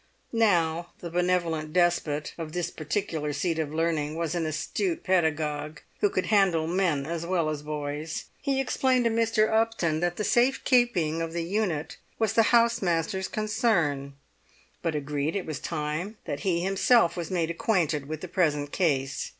Now the Benevolent Despot of this particular seat of learning was an astute pedagogue who could handle men as well as boys. He explained to Mr. Upton that the safe keeping of the unit was the house master's concern, but agreed it was time that he himself was made acquainted with the present case.